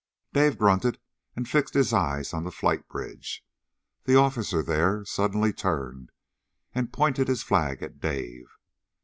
Dave grunted and fixed his eyes on the flight bridge. The officer there suddenly turned and pointed his flag at Dave.